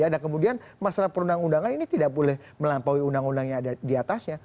dan kemudian masalah perundang undangan ini tidak boleh melampaui undang undang yang ada diatasnya